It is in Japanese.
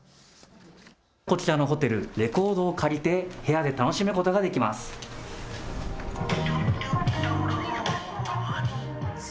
こちらのホテルレコードを借りて部屋で楽しむことができます。